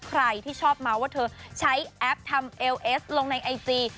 ใครที่ชอบเมาส์ว่าเธอใช้แอปทำเอลเอสลงในไอจี